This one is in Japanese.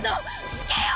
死刑よ！